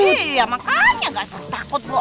iya makanya nggak takut bu